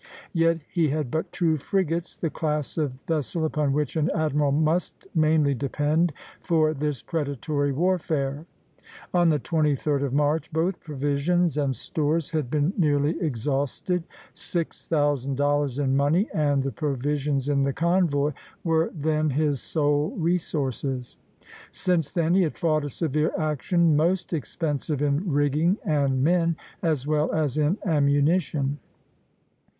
Yet he had but two frigates, the class of vessel upon which an admiral must mainly depend for this predatory warfare. On the 23d of March, both provisions and stores had been nearly exhausted. Six thousand dollars in money, and the provisions in the convoy, were then his sole resources. Since then he had fought a severe action, most expensive in rigging and men, as well as in ammunition.